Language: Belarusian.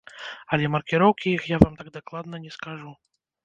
Але маркіроўкі іх я вам так дакладна не скажу.